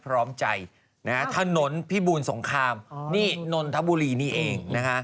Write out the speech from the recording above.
พร้อมใจนะฮะถนนพิบูลสงครามนี่นนทบุรีนี่เองนะฮะ